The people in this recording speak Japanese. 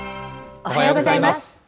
おはようございます。